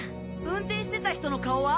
運転してた人の顔は？